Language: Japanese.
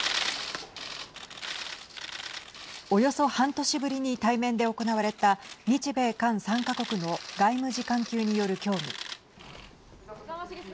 およそ半年ぶりに対面で行われた日米韓３か国の外務次官級による協議。